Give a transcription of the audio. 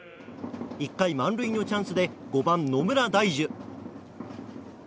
１回、満塁のチャンスで５番、野村大樹。